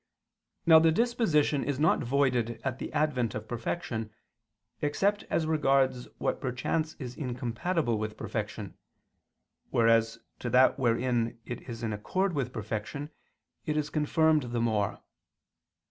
Now the disposition is not voided at the advent of perfection, except as regards what perchance is incompatible with perfection, whereas as to that wherein it is in accord with perfection, it is confirmed the more.